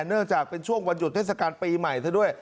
เนื่องจากเป็นช่วงวันหยุดเทศกาลปีใหม่ซะด้วย